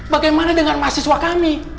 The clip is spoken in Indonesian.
bagaimana dengan mahasiswa kami